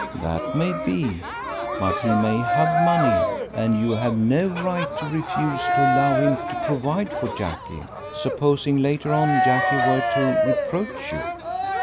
"That may be, but he may have money, and you have no right to refuse to allow him to provide for Jackie. Supposing later on Jackie were to reproach you?"